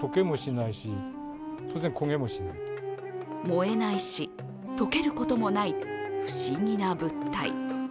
燃えないし、溶けることもない不思議な物体。